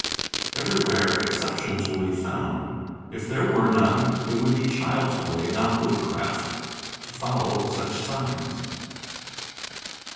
Everywhere exceptions will be found; if there were none, it would be child's play, not woodcraft, to follow such signs.